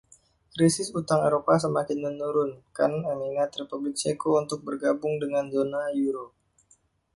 Krisis utang Eropa semakin menurunkan minat Republik Ceko untuk bergabung dengan zona euro.